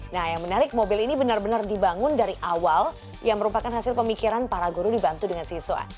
nah yang menarik mobil ini benar benar dibangun dari awal yang merupakan hasil pemikiran para guru dibantu dengan siswa